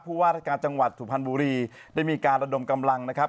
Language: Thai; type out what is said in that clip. ว่าราชการจังหวัดสุพรรณบุรีได้มีการระดมกำลังนะครับ